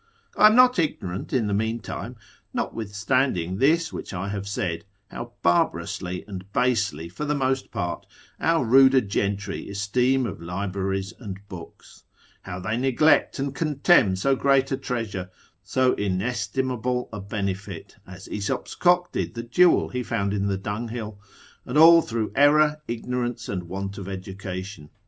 I am not ignorant in the meantime (notwithstanding this which I have said) how barbarously and basely, for the most part, our ruder gentry esteem of libraries and books, how they neglect and contemn so great a treasure, so inestimable a benefit, as Aesop's cock did the jewel he found in the dunghill; and all through error, ignorance, and want of education.